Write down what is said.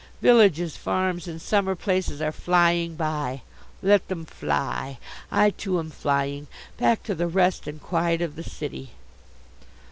Villages, farms and summer places are flying by. Let them fly. I, too, am flying back to the rest and quiet of the city.